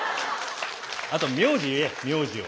あと名字言え名字を。